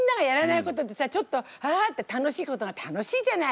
ちょっと「あ！」って楽しいことが楽しいじゃない。